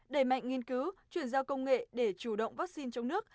đẩy mạnh nghiên cứu chuyển giao công nghệ để chủ động vaccine trong nước